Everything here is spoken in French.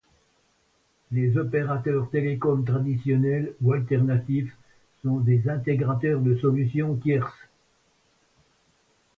Les opérateurs télécoms traditionnels ou alternatifs sont des intégrateurs de solutions tierces.